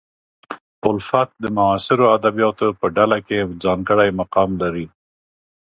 الفت د معاصرو ادیبانو په ډله کې ځانګړی مقام لري.